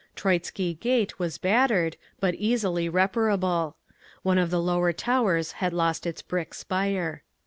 Troitsky Gate was battered, but easily reparable. One of the lower towers had lost its brick spire.